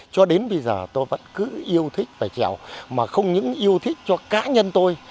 cho đến bây giờ tôi vẫn cứ yêu thích về trèo mà không những yêu thích cho cá nhân tôi